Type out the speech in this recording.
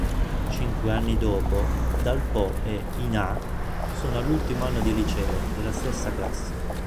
Cinque anni dopo, Dal-po e In-ha sono all'ultimo anno di liceo, nella stessa classe.